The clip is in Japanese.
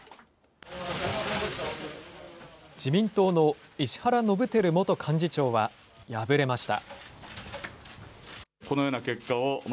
自民党の石原伸晃元幹事長は敗れました。